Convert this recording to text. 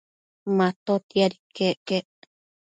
Matotiad iquec quec